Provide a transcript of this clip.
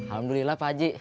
alhamdulillah pak aji